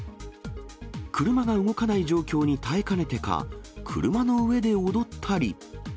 車が動かない状況に耐えかねてか、車の上で踊ったり。